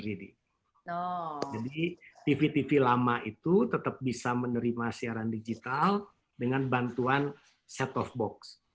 jadi tv tv lama itu tetap bisa menerima siaran digital dengan bantuan set of box